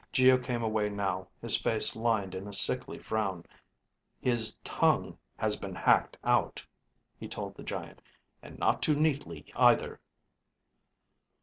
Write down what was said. Geo came away now, his face lined in a sickly frown. "His tongue has been hacked out," he told the giant. "And not too neatly, either."